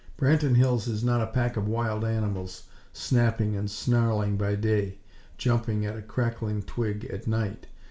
Branton Hills is not a pack of wild animals, snapping and snarling by day; jumping, at a crackling twig, at night.